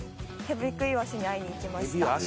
ヘビクイワシに会いにいきました